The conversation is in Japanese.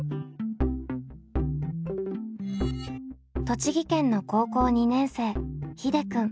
栃木県の高校２年生ひでくん。